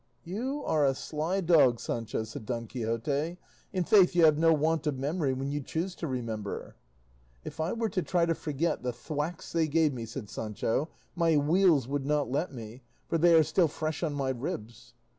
"You are a sly dog, Sancho," said Don Quixote; "i' faith, you have no want of memory when you choose to remember." "If I were to try to forget the thwacks they gave me," said Sancho, "my weals would not let me, for they are still fresh on my ribs."